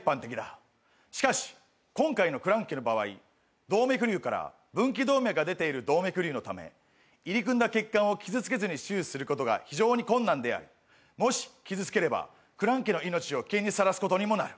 しかし今回のクランケの場合動脈瘤から分岐動脈が出ている動脈瘤のため入り組んだ血管を傷つけずに手術することが非常に困難でありもし傷つければクランケの命を危険にさらすことにもなる。